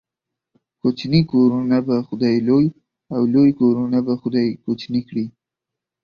کوچني کورونه به خداى لوى ، او لوى کورونه به خداى کوچني کړي.